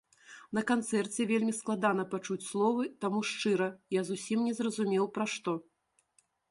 На канцэрце вельмі складана пачуць словы, таму шчыра, я зусім не зразумеў, пра што.